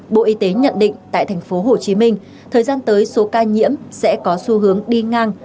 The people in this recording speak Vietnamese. bộ y tế nhận định tại thành phố hồ chí minh thời gian tới số ca nhiễm sẽ có xu hướng đi ngang